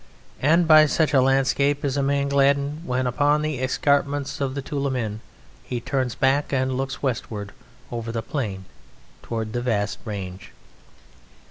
And by such a landscape is a man gladdened when upon the escarpments of the Tuolumne he turns back and looks westward over the plain towards the vast range.